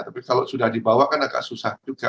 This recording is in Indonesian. tapi kalau sudah dibawa kan agak susah juga